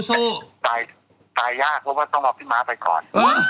แต่ตายยากเพราะว่าต้องเอาพี่ม้าไปก่อน